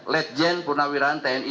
ledjen purnawirawan tni